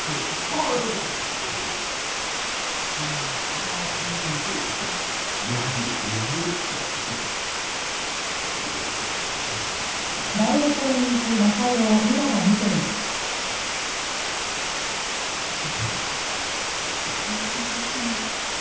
あの課長さん。